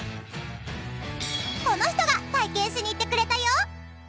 この人が体験しに行ってくれたよ！